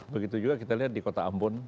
begitu juga kita lihat di kota ambon